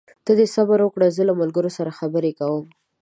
ته صبر وکړه، زه له ملګري سره خبرې کوم.